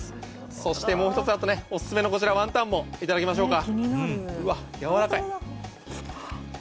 そしてもう一つおすすめのこちらのワンタンもいただきましょうか。